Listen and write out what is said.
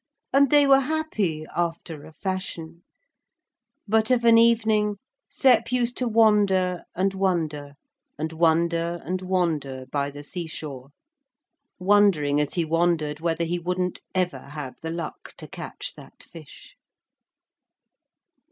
And they were happy after a fashion but of an evening Sep used to wander and wonder, and wonder and wander by the sea shore, wondering as he wandered whether he wouldn't ever have the luck to catch that fish.